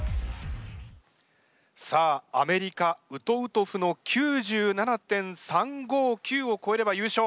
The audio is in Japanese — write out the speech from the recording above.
さあアメリカウトウトフの９７．３５９をこえれば優勝。